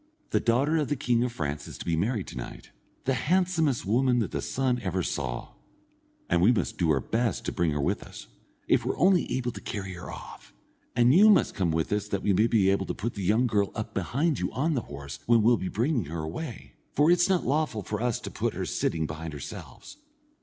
"The daughter of the king of France is to be married to night, the handsomest woman that the sun ever saw, and we must do our best to bring her with us, if we're only able to carry her off; and you must come with us that we may be able to put the young girl up behind you on the horse, when we'll be bringing her away, for it's not lawful for us to put her sitting behind ourselves.